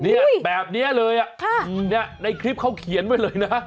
เนี่ยแบบนี้เลยอ่ะเนี่ยในคลิปเขาเขียนไว้เลยนะ